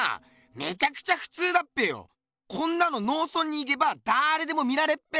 こんなの農村に行けばだれでも見られっぺ！